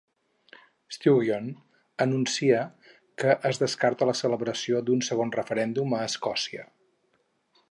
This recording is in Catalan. Stugeon anuncia que es descarta la celebració d'un segon referèndum a Escòcia.